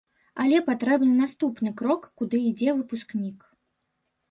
Але патрэбны наступны крок, куды ідзе выпускнік.